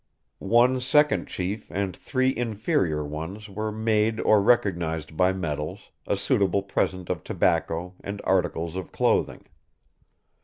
One second chief and three inferior ones were made or recognized by medals, a suitable present of tobacco, and articles of clothing.